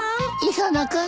磯野君。